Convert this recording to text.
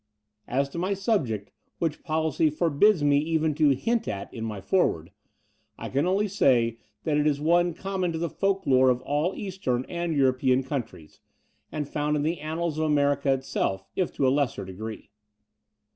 As to my subject, which policy forbids me even to hint at in my foreword, I can only say that it is one common to the folk lore of all Eastern and European countries, and found in the annals of America itself, if to a lesser degree.